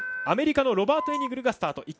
アメリカのロバート・エニグルスタート。